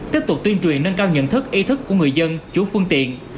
tiếp tục tuyên truyền nâng cao nhận thức ý thức của người dân chủ phương tiện